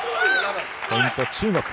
ポイント、中国。